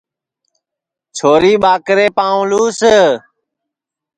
چھوری ٻاکرے پاںٚو لُس